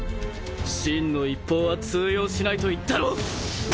「心の一方」は通用しないと言ったろ！